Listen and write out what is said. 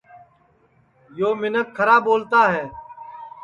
یو منکھ کھرا ٻولتا ہے